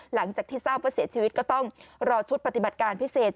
หลังจากที่ทราบว่าเสียชีวิตก็ต้องรอชุดปฏิบัติการพิเศษ